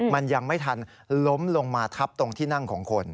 มันยังไม่ทันล้มลงมาทับตรงที่นั่งของคน